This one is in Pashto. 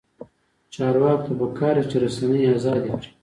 چارواکو ته پکار ده چې، رسنۍ ازادې کړي.